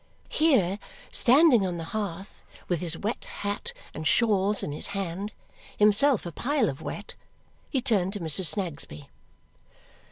Here, standing on the hearth with his wet hat and shawls in his hand, himself a pile of wet, he turned to Mrs. Snagsby.